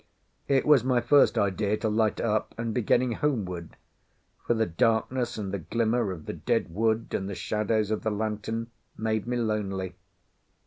It was my first idea to light up and be getting homeward; for the darkness and the glimmer of the dead wood and the shadows of the lantern made me lonely.